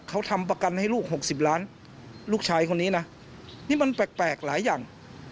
เขาทำประกันให้ลูก๖๐ล้านลูกชายคนนี้นะนี่มันแปลกหลายอย่าง